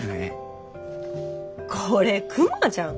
これクマじゃん。